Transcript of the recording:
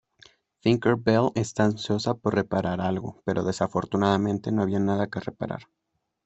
Tinker Bell está ansiosa por reparar algo pero desafortunadamente no había nada que reparar.